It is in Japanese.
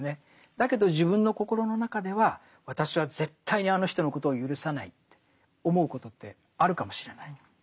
だけど自分の心の中では私は絶対にあの人のことをゆるさないって思うことってあるかもしれない。